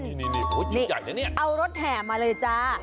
นี่มีชื่อใหญ่ที่ง่ายเอารถแหมาเลยจ้ะ